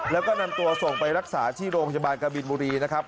แล้วก็นำตัวส่งไปรักษาที่โรงพยาบาลกบินบุรีนะครับ